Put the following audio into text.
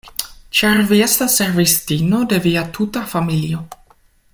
Ĉar vi estas servistino de via tuta familio.